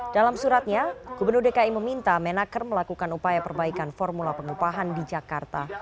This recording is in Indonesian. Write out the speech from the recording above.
dalam suratnya gubernur dki meminta menaker melakukan upaya perbaikan formula pengupahan di jakarta